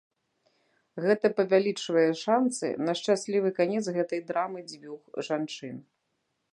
Гэта павялічвае шанцы на шчаслівы канец гэтай драмы дзвюх жанчын.